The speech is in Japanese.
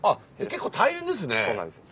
結構大変ですね。